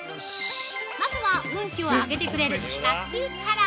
まずは運気を上げてくれるラッキーカラー。